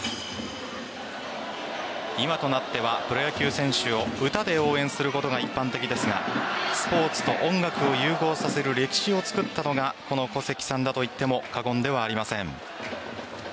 今となってはプロ野球選手を歌で応援することが一般的ですがスポーツと音楽を融合させる歴史をつくったのがこの古関さんだと言っても過言ではありません。